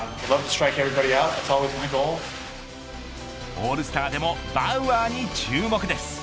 オールスターでもバウアーに注目です。